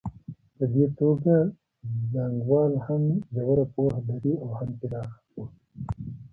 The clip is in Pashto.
په دې توګه څانګوال هم ژوره پوهه لري او هم پراخه پوهه.